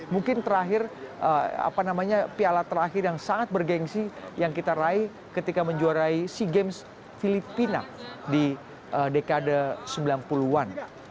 mungkin terakhir piala terakhir yang sangat bergensi yang kita raih ketika menjuarai sea games filipina di dekade sembilan puluh an